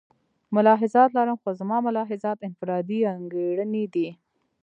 ملاحظات لرم خو زما ملاحظات انفرادي انګېرنې دي.